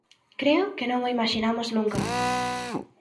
Creo que non o imaxinamos nunca.